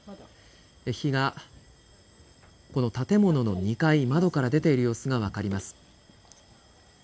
火がこの建物の２階窓から出ている様子が分かります。